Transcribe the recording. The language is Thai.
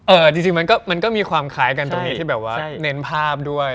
เอ่อจริงมันก็มีความคล้ายจึงตรงนี้ที่แบบว่า